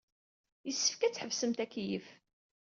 Yessefk ad tḥebsemt akeyyef.